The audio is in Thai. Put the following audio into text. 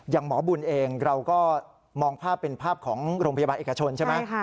หมอบุญเองเราก็มองภาพเป็นภาพของโรงพยาบาลเอกชนใช่ไหม